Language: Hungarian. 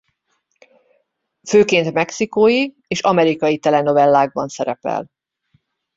Főként mexikói és amerikai telenovellákban szerepel.